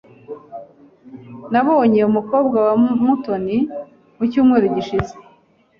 Nabonye umukobwa wa Mutoni mu cyumweru gishize.